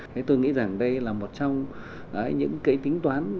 thế tôi nghĩ rằng đây là một trong những cái tính toán